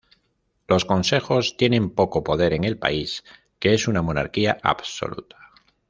Los consejos tienen poco poder en el país, que es una monarquía absoluta.